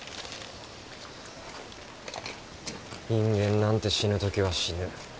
人間なんて死ぬ時は死ぬ。